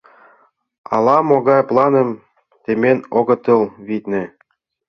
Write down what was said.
Ала-могай планым темен огытыл, витне.